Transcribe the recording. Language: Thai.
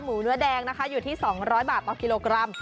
เนื้อแดงนะคะอยู่ที่๒๐๐บาทต่อกิโลกรัม